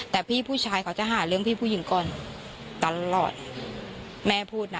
แต่พี่ผู้ชายเขาจะหาเรื่องพี่ผู้หญิงก่อนตลอดแม่พูดนะ